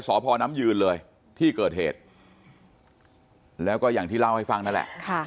สพน้ำยืนเลยที่เกิดเหตุแล้วก็อย่างที่เล่าให้ฟังนั่นแหละ